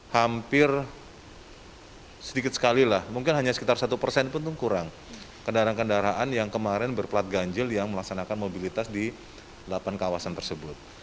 hampir sedikit sekali lah mungkin hanya sekitar satu persen pun kurang kendaraan kendaraan yang kemarin berplat ganjil yang melaksanakan mobilitas di delapan kawasan tersebut